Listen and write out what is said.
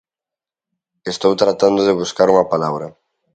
Estou tratando de buscar unha palabra.